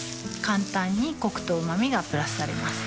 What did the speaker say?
簡単にコクとうま味がプラスされます